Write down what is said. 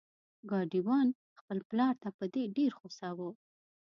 ګاډی وان خپل پلار ته په دې ډیر غوسه و.